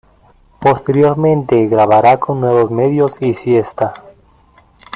Posteriormente grabará con Nuevos Medios y Siesta.